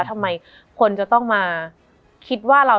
มันทำให้ชีวิตผู้มันไปไม่รอด